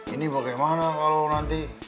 ini bagaimana kalau nanti